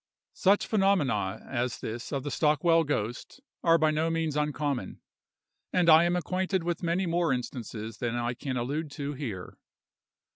Such phenomena as this of the Stockwell ghost are by no means uncommon, and I am acquainted with many more instances than I can allude to here.